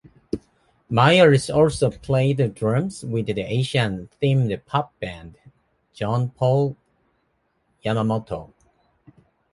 Myers also played drums with the Asian-themed pop band Jean Paul Yamamoto.